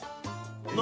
何？